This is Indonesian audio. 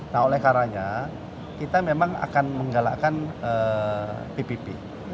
nah oleh karanya kita memang akan menggalakkan pbb